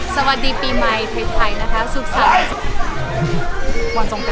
สวัสดีปีใหม่ไทยนะคะสุขใส